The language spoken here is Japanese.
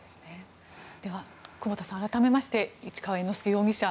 では、久保田さん改めまして、市川猿之助容疑者